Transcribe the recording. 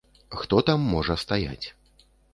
Хто там можа стаяць.